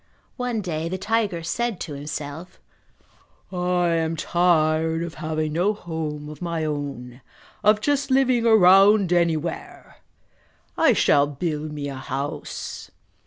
One day the tiger said to himself, "I am tired of having no home of my own, of just living around anywhere! I shall build me a house."